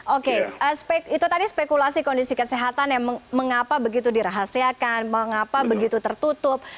oke itu tadi spekulasi kondisi kesehatan yang mengapa begitu dirahasiakan mengapa begitu tertutup